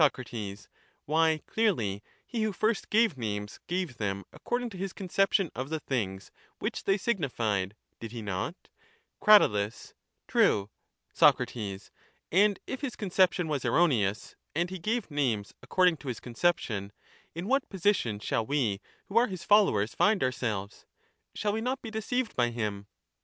Soc Why clearly he who first gave names gave them But supposing according to his conception of the things which they signified •nai'river"f did he not? names was y^ , rr . mistaken, Crat. True. whatthe^? Soc. And if his conception was erroneous, and he gave names according to his conception, in what position shall we who are his followers find ourselves? Shall we not be deceived by him?